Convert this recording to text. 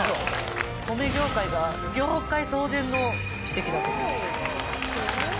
「米業界が業界騒然の奇跡だと思います」